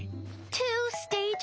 ２つのステージ？